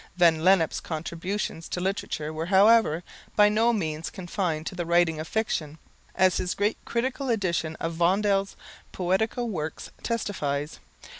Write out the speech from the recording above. Van Lennep's contributions to literature were, however, by no means confined to the writing of fiction, as his great critical edition of Vondel's poetical works testifies.